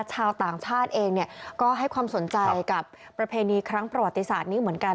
ชาวต่างชาติเองก็ให้ความสนใจกับประเพณีครั้งประวัติศาสตร์นี้เหมือนกัน